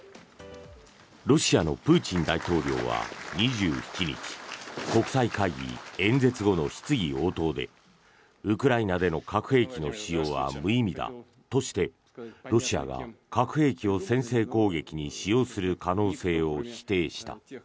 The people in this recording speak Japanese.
ロシアのプーチン大統領は２７日国際会議演説後の質疑応答でウクライナでの核兵器の使用は無意味だとしてロシアが核兵器を先制攻撃に使用する可能性を否定した。